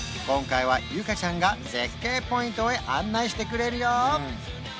今回はゆかちゃんが絶景ポイントへ案内してくれるよ